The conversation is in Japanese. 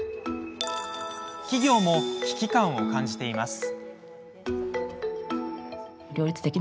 企業も危機感を感じています。